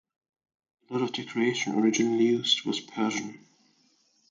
A lot of decoration originally used was Persian.